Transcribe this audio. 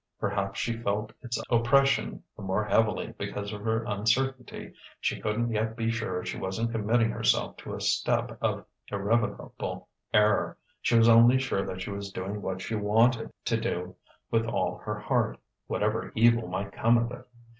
Perhaps she felt its oppression the more heavily because of her uncertainty: she couldn't yet be sure she wasn't committing herself to a step of irrevocable error; she was only sure that she was doing what she wanted to do with all her heart, whatever evil might come of it.